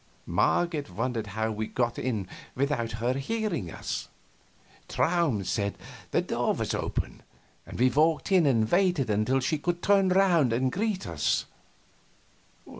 Marget wondered how we got in without her hearing us. Traum said the door was open, and we walked in and waited until she should turn around and greet us.